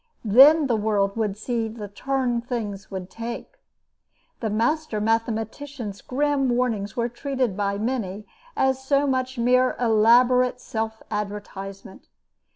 Then the world would see the turn things would take. The master mathematician's grim warnings were treated by many as so much mere elaborate self advertisement.